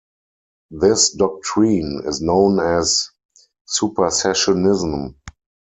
This doctrine is known as Supersessionism.